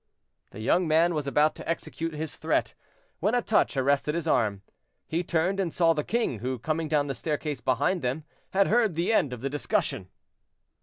The young man was about to execute his threat, when a touch arrested his arm. He turned and saw the king, who, coming down the staircase behind them, had heard the end of the discussion.